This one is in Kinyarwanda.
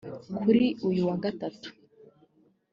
kuri uyu wa Gatatu